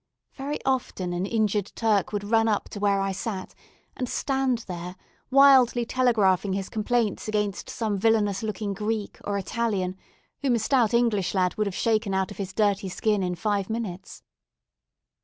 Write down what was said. Very often an injured Turk would run up to where I sat, and stand there, wildly telegraphing his complaints against some villainous looking Greek, or Italian, whom a stout English lad would have shaken out of his dirty skin in five minutes.